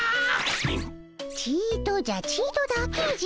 ちとじゃちとだけじゃ。